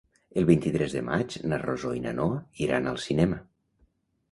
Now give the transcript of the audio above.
El vint-i-tres de maig na Rosó i na Noa iran al cinema.